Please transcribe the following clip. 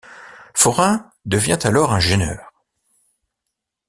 Forin devient alors un gêneur.